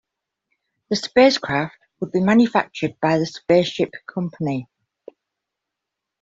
The spacecraft would be manufactured by The Spaceship Company.